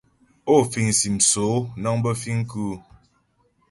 Ó fìŋ sim sóó nəŋ bə fìŋ kʉ́ʉ ?